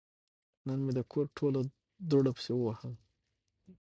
نن مې د کور ټوله دوړه پسې ووهله.